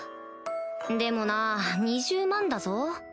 でもなぁ２０万だぞ